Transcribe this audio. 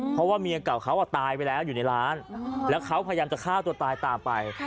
เพราะว่าเมียเก่าเขาตายไปแล้วอยู่ในร้านแล้วเขาพยายามจะฆ่าตัวตายตามไป